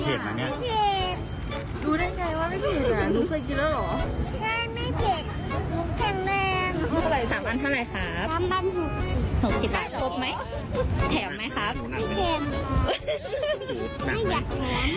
แถวไหมครับ